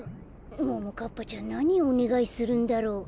ももかっぱちゃんなにおねがいするんだろう。